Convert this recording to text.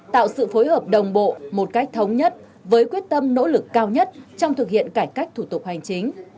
tạo sự phối hợp đồng bộ một cách thống nhất với quyết tâm nỗ lực cao nhất trong thực hiện cải cách thủ tục hành chính